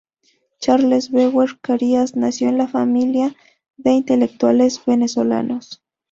Charles Brewer-Carías nació en una familia de intelectuales venezolanos.